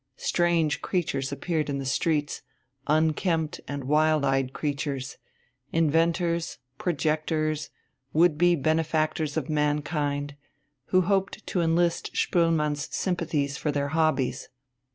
Strange creatures appeared in the streets, unkempt and wild eyed creatures inventors, projectors, would be benefactors of mankind, who hoped to enlist Spoelmann's sympathies for their hobbies.